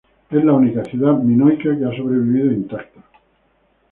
Es la única ciudad minoica que ha sobrevivido intacta.